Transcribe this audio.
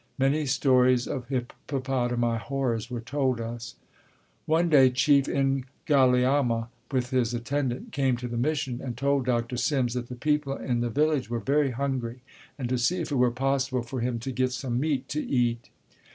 Many stories of hippopotami horrors were told us. One day Chief N'Galiama with his attendant came to the mission and told Dr. Simms that the people in the village were very hungry and to see if it were possible for him to get some meat to eat.